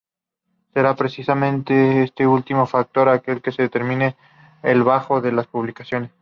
Será precisamente este último factor aquel que determine el bajo coste de las publicaciones.